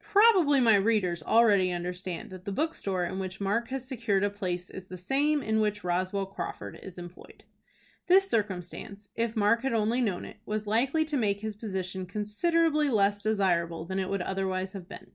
Probably my readers already understand that the bookstore in which Mark has secured a place is the same in which Roswell Crawford is employed. This circumstance, if Mark had only known it, was likely to make his position considerably less desirable than it would otherwise have been.